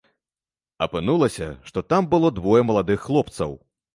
Апынулася, што там было двое маладых хлопцаў.